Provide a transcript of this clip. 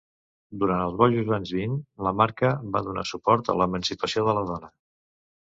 Durant els bojos anys vint, la marca va donar suport a l'emancipació de la dona.